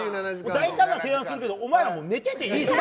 大胆な提案するけどお前ら寝てていいぞ。